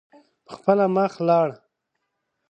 په خپله مخ لاړ.